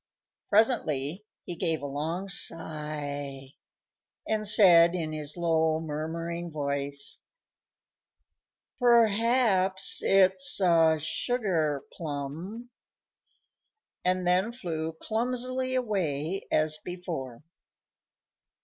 Presently he gave a long sigh and said, in his low, murmuring voice, "Perhaps it's a sugar plum," and then flew clumsily away as before.